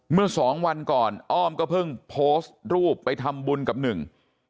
เมื่อสองวันก่อนอ้อมก็เพิ่งโพสต์รูปไปทำบุญกับหนึ่ง